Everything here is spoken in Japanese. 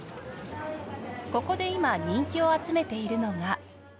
ここで今人気を集めているのが。